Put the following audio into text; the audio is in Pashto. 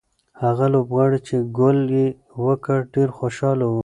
هغه لوبغاړی چې ګول یې وکړ ډېر خوشاله و.